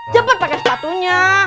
cepet pake sepatunya